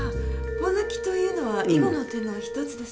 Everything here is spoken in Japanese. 「ポンヌキ」というのは囲碁の手のひとつです。